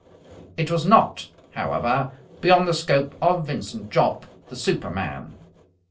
It was not, however, beyond the scope of Vincent Jopp, the superman.